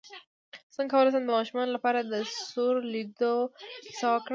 څنګه کولی شم د ماشومانو لپاره د سور لویدو کیسه وکړم